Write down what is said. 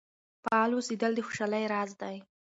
فعال اوسیدل د خوشحالۍ راز دی.